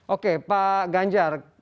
oke pak ganjar